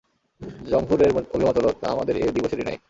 জমহুর-এর অভিমত হলো তা আমাদের এ দিবসেরই ন্যায়।